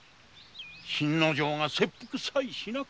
信之丞が切腹さえしなければ。